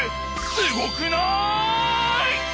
すごくない！？